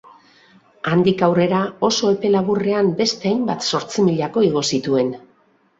Handik aurrera oso epe laburrean beste hainbat zortzimilako igo zituen.